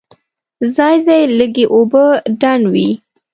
ځای ځای لږې اوبه ډنډ وې.